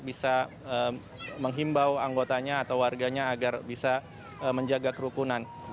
bisa menghimbau anggotanya atau warganya agar bisa menjaga kerukunan